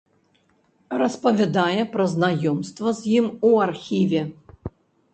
Распавядае пра знаёмства з ім у архіве.